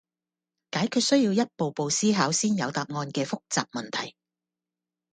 解決需要一步步思考先有答案嘅複雜問題